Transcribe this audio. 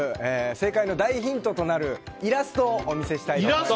正解の大ヒントとなるイラストをお見せしたいと思います。